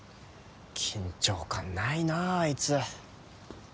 緊張感ないなあいつ。